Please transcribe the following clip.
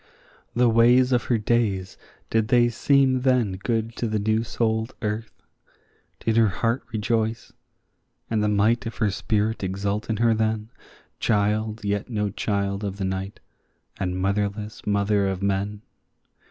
The ways of her days, did they seem then good to the new souled earth? Did her heart rejoice, and the might of her spirit exult in her then, Child yet no child of the night, and motherless mother of men?